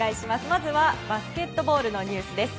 まず、バスケットボールのニュースです。